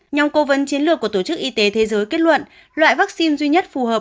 nhóm cố vấn chiến lược của tổ chức y tế thế giới kết luận loại vaccine duy nhất phù hợp